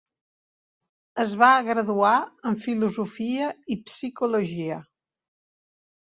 Es va graduar en filosofia i psicologia.